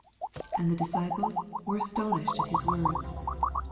24 And the disciples were aston ished at his words.